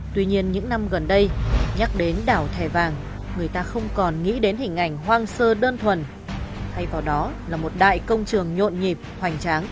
tuy nhiên những năm gần đây nhắc đến đảo thẻ vàng người ta không còn nghĩ đến hình ảnh hoang sơ đơn thuần thay vào đó là một đại công trường nhộn nhịp hoành tráng